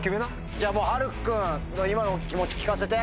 じゃあもう晴空君の今の気持ち聞かせて？